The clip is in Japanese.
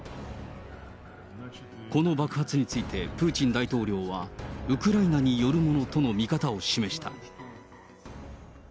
この爆発について、プーチン大統領はウクライナによるものとの見方を示した。